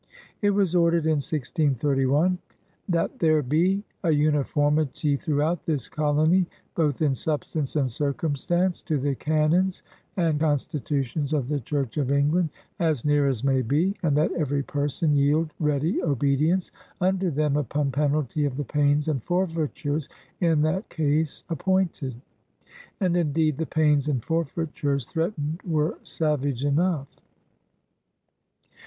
It was ordered in 1631 :*^ That there bee a unifcNrmitie throughout this colony both in substance and circumstance to the cannons and constitutions of the church of England as neere as may bee, and that every person yeald readie obedience unto them uppon penaltie of the paynes and forfeitures in that case appoynted." And, indeed, the pains and forfeitures threatened were savage enough.